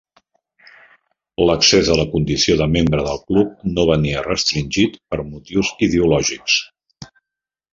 L'accés a la condició de membre del club no venia restringit per motius ideològics.